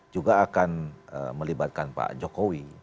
juga akan melibatkan pak jokowi